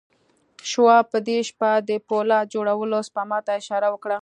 شواب په دې شپه د پولاد جوړولو سپما ته اشاره وکړه